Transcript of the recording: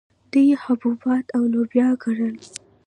دوی حبوبات او لوبیا کرل